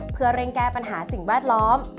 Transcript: เพื่อเร่งแก้ปัญหาสิ่งแวดล้อม